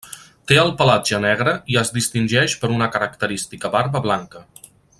Té el pelatge negre i es distingeix per una característica barba blanca.